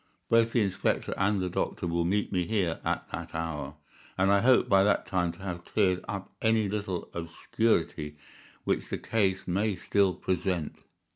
"Both the inspector and the doctor will meet me here at that hour, and I hope by that time to have cleared up any little obscurity which the case may still present."